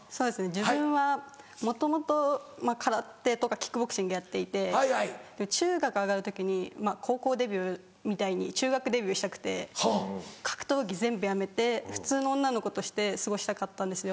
自分はもともと空手とかキックボクシングやっていて中学上がる時に高校デビューみたいに中学デビューしたくて格闘技全部やめて普通の女の子として過ごしたかったんですよ。